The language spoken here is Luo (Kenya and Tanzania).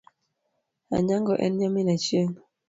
Anyango en nyamin Achieng .